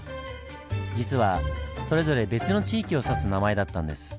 実はそれぞれ別の地域を指す名前だったんです。